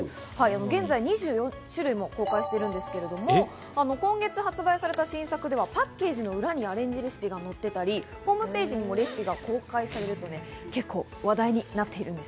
現在２６種類も公開しているんですけど、今月発売された新作ではパッケージの裏にアレンジレシピが載っていたり、ホームページにも公開されているんです。